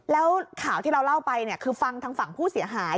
แล้วข่าวที่เราเล่าไปเนี่ยคือฟังทางฝั่งผู้เสียหาย